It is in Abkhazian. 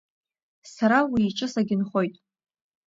Сара уи иҿы сагьынхоит.